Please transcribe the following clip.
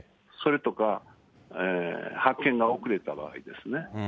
それとか、発見が遅れた場合ですね。